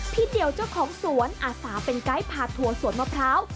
พี่เดี่ยวเจ้าของสวนอาสาเป็นไก้ผาถั่วสวนมะพร้าว